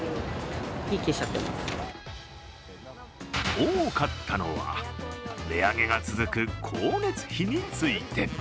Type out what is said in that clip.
多かったのは、値上げが続く光熱費について。